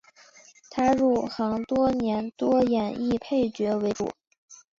他入行多年多演绎配角为主。